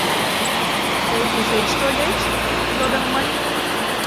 «Тый кушеч тольыч? — йодым мый.